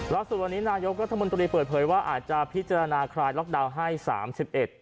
ล่าสุดวันนี้นายกรัฐมนตรีเปิดเผยว่าอาจจะพิจารณาคลายล็อกดาวน์ให้สามสิบเอ็ด